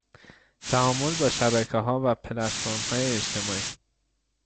تعامل با شبکهها و پلتفرمهای اجتماعی